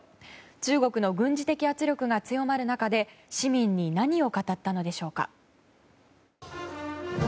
中国の軍事的圧力が強まる中で市民に何を語ったのでしょうか。